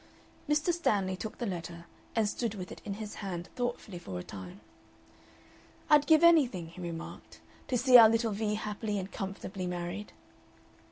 Mr. Stanley took the letter and stood with it in his hand thoughtfully for a time. "I'd give anything," he remarked, "to see our little Vee happily and comfortably married."